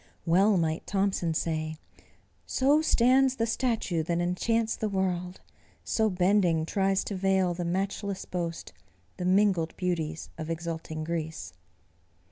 Well might Thomson say: "So stands the statue that enchants the world, So bending tries to veil the matchless boast, The mingled beauties of exulting Greece."